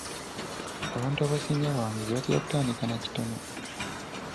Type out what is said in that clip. Abantu abasinga abawanguzi batera kutandika na kitono.